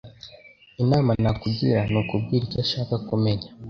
Inama nakugira nukubwira icyo ashaka kumenya.